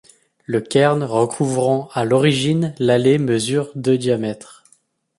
Le cairn recouvrant à l'origine l'allée mesure de diamètre.